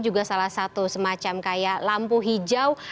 juga salah satu semacam kayak lampu hijau